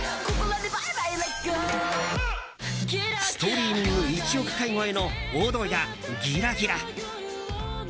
ストリーミング１億回超えの「踊」や「ギラギラ」。